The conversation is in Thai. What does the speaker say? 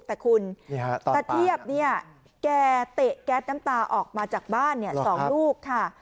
แต่คุณตาเทียบแก่เตะแก๊สน้ำตาออกมาจากบ้าน๒ลูก